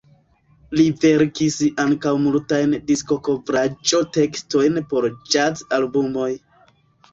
Li verkis ankaŭ multajn diskokovraĵo-tekstojn por ĵaz-albumoj.